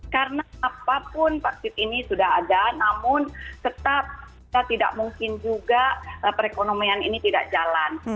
karena apapun vaksin ini sudah ada namun tetap tidak mungkin juga perekonomian ini tidak jalan